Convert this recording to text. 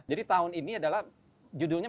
jadi tahun ini adalah judulnya